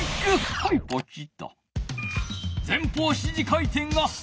はいポチッと。